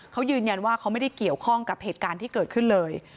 เขายืนยันว่าเขาไม่ได้เกี่ยวข้องกับเหตุการณ์ที่เกิดขึ้นเลย